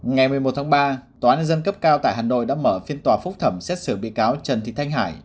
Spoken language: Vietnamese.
ngày một mươi một tháng ba tòa án nhân dân cấp cao tại hà nội đã mở phiên tòa phúc thẩm xét xử bị cáo trần thị thanh hải